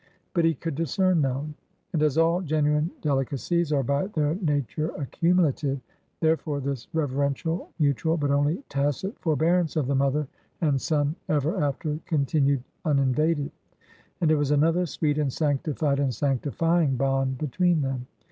But he could discern none. And as all genuine delicacies are by their nature accumulative; therefore this reverential, mutual, but only tacit forbearance of the mother and son, ever after continued uninvaded. And it was another sweet, and sanctified, and sanctifying bond between them.